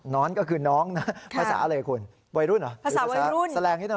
น้อนก็คือน้องนะฮะภาษาอะไรคุณเวยรุ่นเหรอ